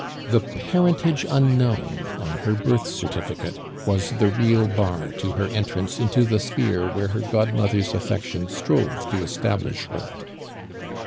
The "parentage unknown" on her birth certificate was the real bar to her entrance into the sphere where her godmother's affection stove to establish her.